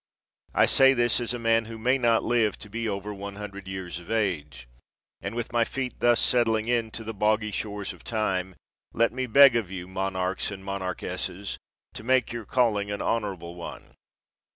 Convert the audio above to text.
I say this as a man who may not live to be over one hundred years of age, and with my feet thus settling into the boggy shores of time let me beg of you, monarchs and monarchesses, to make your calling an honorable one.